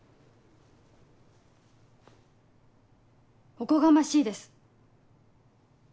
おこがましいです。